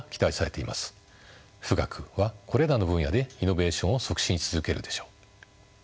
富岳はこれらの分野でイノベーションを促進し続けるでしょう。